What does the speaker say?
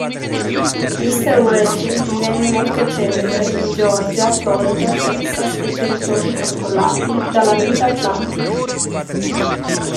Mr. Wrestling divenne molto celebre in Georgia, Florida, Texas e territori controllati dalla Mid-Atlantic.